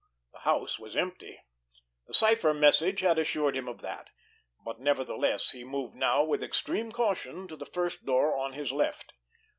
The house was empty, the cipher message had assured him of that, but nevertheless he moved now with extreme caution to the first door on his left.